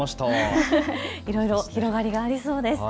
いろいろ広がりがありそうです。